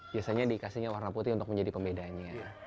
biasanya dikasihnya warna putih untuk menjadi pembedanya